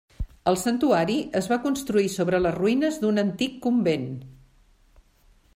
El santuari es va construir sobre les ruïnes d'un antic convent.